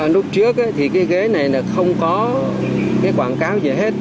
lúc trước thì cái ghế này là không có cái quảng cáo gì hết